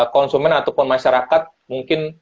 konsumen ataupun masyarakat mungkin